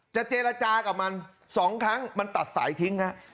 จะเจรจากับมันสองครั้งมันตัดสายทิ้งนะครับ